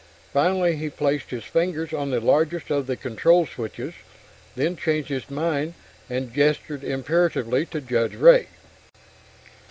Finally he placed his fingers on the largest of the control switches then changed his mind and gestured imperatively to Judge Ray.